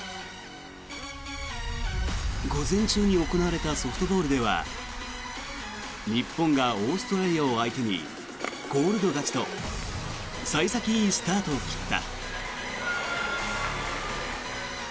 午前中に行われたソフトボールでは日本がオーストラリアを相手にコールド勝ちと幸先いいスタートを切った。